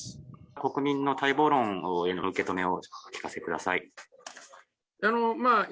国民の待望論への受け止めをお聞かせください。